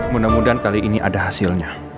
mudah mudahan kali ini ada hasilnya